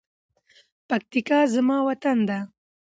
پکتیکا زما وطن ده.